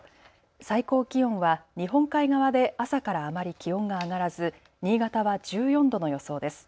最高気温は日本海側で朝からあまり気温が上がらず新潟は１４度の予想です。